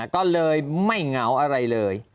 ก็เลยไม่เหงาอะไรเลย